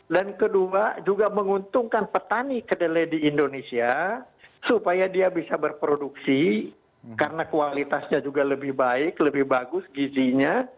dan kedua juga menguntungkan petani kedelai di indonesia supaya dia bisa berproduksi karena kualitasnya juga lebih baik lebih bagus gizinya